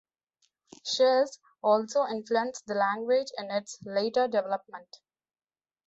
Czech also influenced the language in its later development.